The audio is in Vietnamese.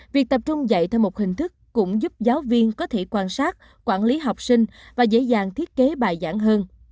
việc tập trung dạy theo một hình thức cũng giúp giáo viên có thể quan sát quản lý học sinh và dễ dàng thiết kế bài giảng hơn